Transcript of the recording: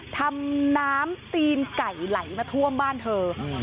ทำน้ำตีนไก่ไหลมาท่วมบ้านเธอ